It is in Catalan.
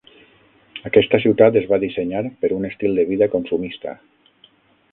Aquesta ciutat es va dissenyar per un estil de vida consumista.